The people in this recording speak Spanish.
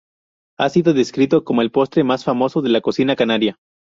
Ha sido descrito como el postre "más famoso" de la cocina canaria.